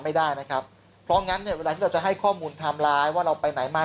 ไม่ได้นะครับเพราะงั้นจะให้ข้อมูลทำร้ายว่าเราไปไหนมา